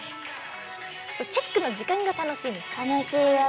チェックの時間が楽しいんだよ。